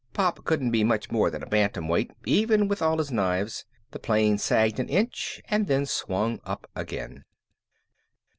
Pop couldn't be much more than a bantamweight, even with all his knives. The plane sagged an inch and then swung up again.